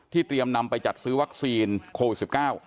เตรียมนำไปจัดซื้อวัคซีนโควิด๑๙